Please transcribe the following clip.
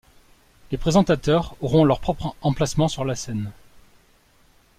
Les présentateurs auront leur propre emplacement sur la scène.